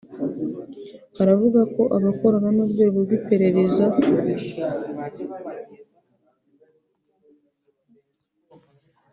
uravuga ko abakorana n’Urwego rw’Iperereza